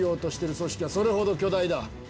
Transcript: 組織はそれほど巨大だ。